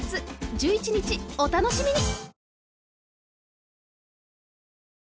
１１日お楽しみに！